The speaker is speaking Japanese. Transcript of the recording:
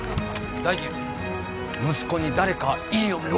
・大臣息子に誰かいい嫁を。